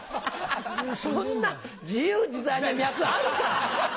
そんな自由自在な脈あるか！